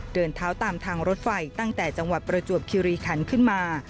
เดินเท้าตามทางรถไฟตั้งแต่จังหวัดประจวบคิริคันขึ้นมา